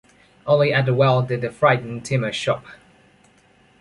Only at the well did the frightened Timur stop.